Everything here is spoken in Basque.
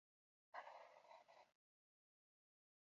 Dena den, ez du hori aitzakiatzat hartu nahi.